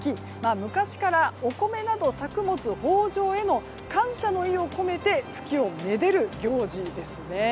昔からお米など作物豊饒への感謝の意を込めて月をめでる行事ですね。